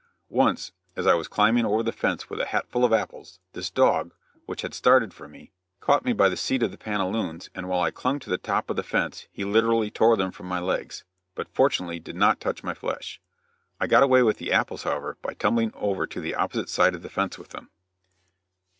Once, as I was climbing over the fence with a hatful of apples, this dog, which had started for me, caught me by the seat of the pantaloons, and while I clung to the top of the fence he literally tore them from my legs, but fortunately did not touch my flesh. I got away with the apples, however, by tumbling over to the opposite side of the fence with them.